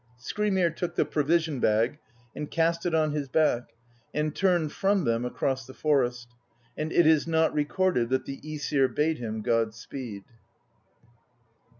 Skrymir took the provision bag and cast it on his back, and turned from them across the forest; and it^ jsp^f ^^'^^^H t hat the ^sir bade him god speed.